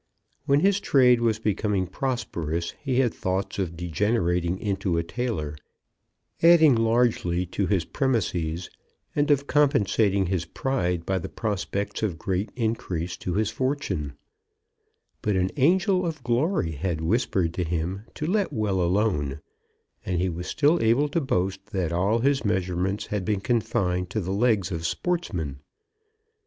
When his trade was becoming prosperous he had thought of degenerating into a tailor, adding largely to his premises, and of compensating his pride by the prospects of great increase to his fortune; but an angel of glory had whispered to him to let well alone, and he was still able to boast that all his measurements had been confined to the legs of sportsmen.